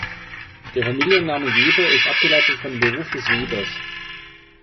Der Familienname Weber ist abgeleitet von dem Beruf des Webers.